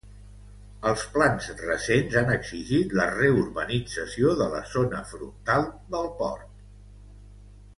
Els plans recents han exigit la reurbanització de la zona frontal del port.